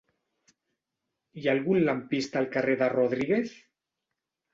Hi ha algun lampista al carrer de Rodríguez?